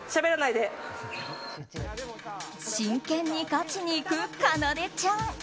真剣に勝ちにいくかなでちゃん。